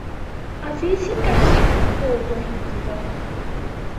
A fydd hi'n gallu dod o hyd iddo?